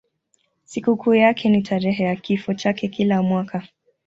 Sikukuu yake ni tarehe ya kifo chake kila mwaka.